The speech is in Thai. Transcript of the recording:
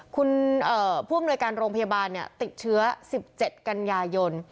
คุณผู้อำนวยการโรงพยาบาลติดเชื้อ๑๗กันยายน